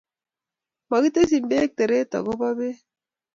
Mokitesyin beek teret ago bo beek